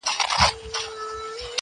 د غوايی چي به یې ږغ وو اورېدلی -